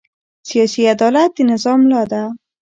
سیاسي عدالت د نظام ملا ده